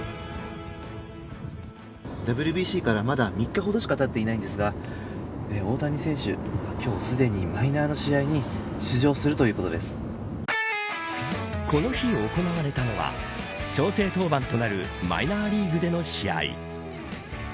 ＷＢＣから、まだ３日ほどしかたっていないんですが大谷選手、今日すでにマイナーの試合にこの日、行われたのは調整登板となるマイナーリーグでの試合。